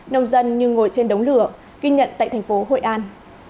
nông dân như ngồi trên đống lửa ghi nhận tại thành phố hội an